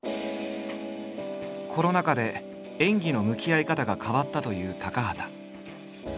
コロナ禍で演技の向き合い方が変わったという高畑。